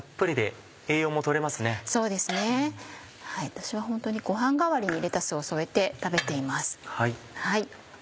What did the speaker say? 私は本当にご飯代わりにレタスを添えて食べています。